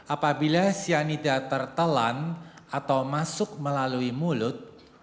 apabila cyanida tertelan atau masuk melalui mulut